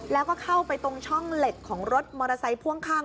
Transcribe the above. แล้วก็เข้าไปตรงช่องเหล็กของรถมอเตอร์ไซค์พ่วงข้าง